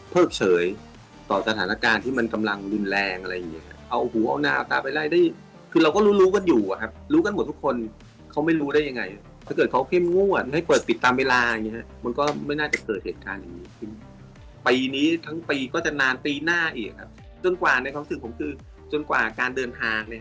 เฉยต่อสถานการณ์ที่มันกำลังรุนแรงอะไรอย่างเงี้ครับเอาหูเอาหน้าเอาตาไปไล่ได้คือเราก็รู้รู้กันอยู่อะครับรู้กันหมดทุกคนเขาไม่รู้ได้ยังไงถ้าเกิดเขาเข้มงวดให้เปิดปิดตามเวลาอย่างเงี้ยมันก็ไม่น่าจะเกิดเหตุการณ์อย่างนี้ขึ้นปีนี้ทั้งปีก็จะนานปีหน้าอีกครับจนกว่าในความรู้สึกผมคือจนกว่าการเดินทางใน